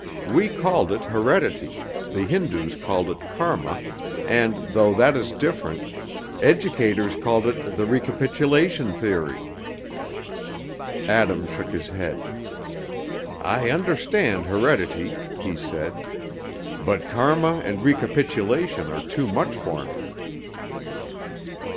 We called it heredity, the Hindoos called it karma, and, though that is different, educators called it the recapitulation theory." Adam shook his head. "I understand heredity," he said, "but karma and recapitulation are too much for me."